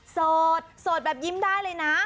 โสดโสดแบบยิ้มได้เลยนะ